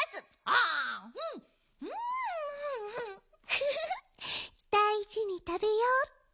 フフフだいじにたべようっと。